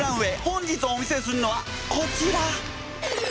本日お見せするのはこちら！